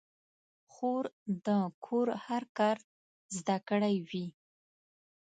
خور د کور هر کار زده کړی وي.